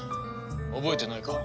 覚えてないか？